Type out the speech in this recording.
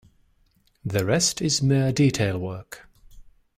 The rest is mere detail work.